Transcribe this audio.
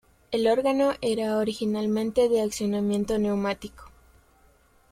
El órgano era originalmente de accionamiento neumático.